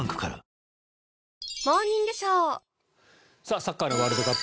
サッカーのワールドカップ